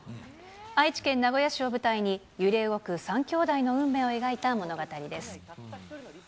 愛知県名古屋市を舞台に、揺れ動く３兄弟の運命を描いた物語です。